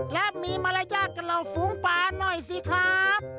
และมีมารยาทกับเหล่าฝูงปลาหน่อยสิครับ